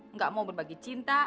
enggak mau berbagi cinta